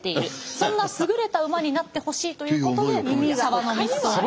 そんな優れた馬になってほしいということでサバノミッソーニ。